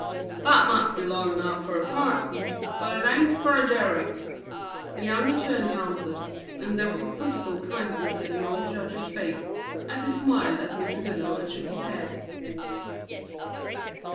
"That might be long enough fer a parson, but it ain't fer a jury," the young attorney answered, and there was a quizzical kindness in the old judge's face as he smiled at Mr. Goodloe and shook his head.